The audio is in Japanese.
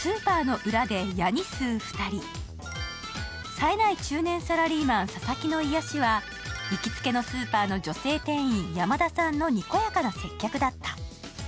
冴えない中年サラリーマン・佐々木の癒やしは行きつけのスーパーの女性店員山田さんのにこやかな接客だった。